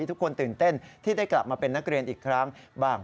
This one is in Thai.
ทุกคนตื่นเต้นที่ได้กลับมาเป็นนักเรียนอีกครั้งบ้าง